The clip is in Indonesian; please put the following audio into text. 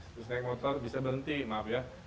terus naik motor bisa berhenti maaf ya